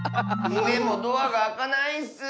でもドアがあかないッス。